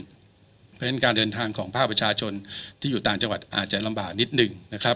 เพราะฉะนั้นการเดินทางของภาคประชาชนที่อยู่ต่างจังหวัดอาจจะลำบากนิดหนึ่งนะครับ